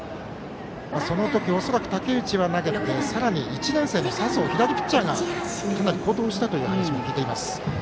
その時、恐らく武内は投げてさらに１年生の佐宗左ピッチャーがかなり好投したという話を聞いています。